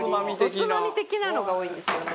おつまみ的なのが多いですよね。